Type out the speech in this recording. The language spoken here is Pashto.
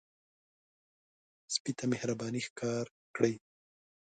سپي ته مهرباني ښکار کړئ.